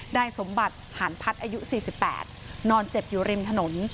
ได้สมบัติหารพัดอายุสี่สิบแปดนอนเจ็บอยู่ริมถนน